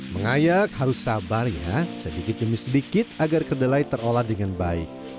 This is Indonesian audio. mengayak harus sabar ya sedikit demi sedikit agar kedelai terolah dengan baik